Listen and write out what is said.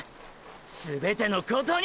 全てのことに！！